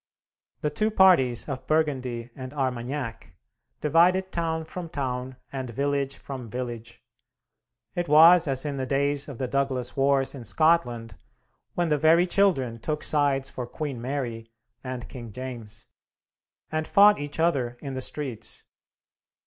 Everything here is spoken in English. The two parties of Burgundy and Armagnac divided town from town and village from village. It was as in the days of the Douglas Wars in Scotland, when the very children took sides for Queen Mary and King James, and fought each other in the streets.